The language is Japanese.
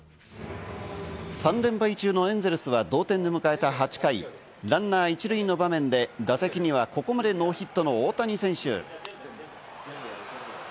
３連敗中のエンゼルスは同点で迎えた８回、ランナー１塁の場面で、打席にはここまでノーヒットの大谷選手。